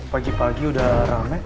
pagi pagi udah rame